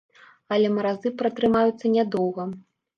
Але маразы пратрымаюцца нядоўга.